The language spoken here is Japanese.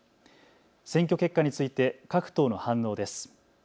選挙結果について各党の反応です。